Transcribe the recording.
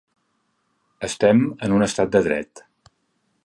Estem en un estat de dret.